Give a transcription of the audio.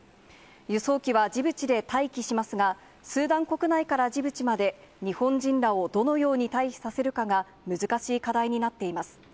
輸送機は、ジブチで待機しますが、スーダン国内からジブチまで、日本人らをどのように退避させるかが難しい課題になっています。